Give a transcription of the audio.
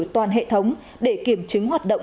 toàn hệ thống để kiểm chứng hoạt động